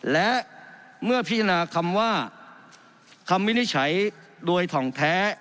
และเมื่อพิจารณาคำว่าคำวินิจฉัยโดยถ่องแท้